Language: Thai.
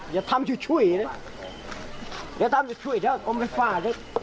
อย่าทำช่วยช่วยเลยอย่าทำช่วยช่วยเดี๋ยวเอาไปฝ่าเลย